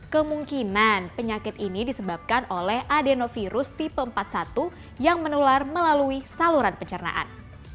kemungkinan penyakit ini disebabkan oleh adenovirus tipe empat puluh satu yang menular melalui saluran pencernaan